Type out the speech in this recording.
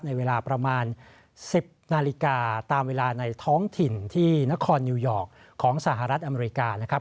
ในเวลาประมาณ๑๐นาฬิกาตามเวลาในท้องถิ่นที่นครนิวยอร์กของสหรัฐอเมริกานะครับ